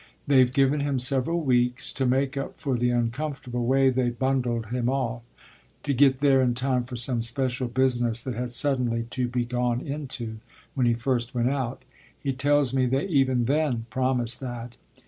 They've given him several weeks, to make up for the uncomfortable way they bundled him off to get there in time for some special business that had suddenly to be gone into when he first went out: he tells me they even then promised that.